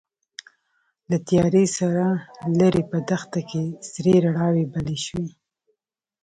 له تيارې سره ليرې په دښته کې سرې رڼاوې بلې شوې.